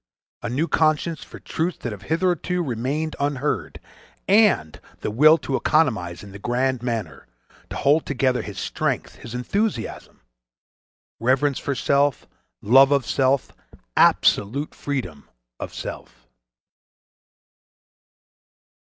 A new conscience for truths that have hitherto remained unheard. And the will to economize in the grand manner—to hold together his strength, his enthusiasm.... Reverence for self; love of self; absolute freedom of self....